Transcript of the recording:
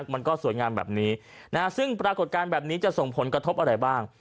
มันก็สวยงามแบบนี้ซึ่งปรากฏการณ์แบบนี้จะส่งผลกระทบอะไรบ้าง